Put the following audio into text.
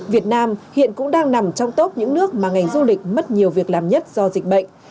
việt nam hiện cũng đang nằm trong top những nước mà ngành du lịch mất nhiều việc làm nhất do dịch bệnh